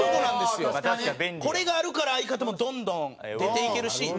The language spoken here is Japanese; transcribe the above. これがあるから相方もどんどん出ていけるし。